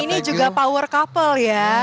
ini juga power couple ya